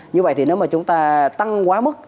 như vậy thì nếu mà chúng ta tăng quá mức